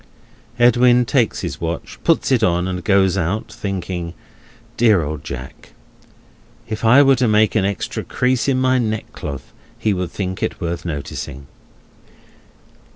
Edwin takes his watch, puts it on, and goes out, thinking: "Dear old Jack! If I were to make an extra crease in my neckcloth, he would think it worth noticing!"